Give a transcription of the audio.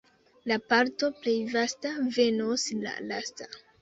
La parto plej vasta venos la lasta.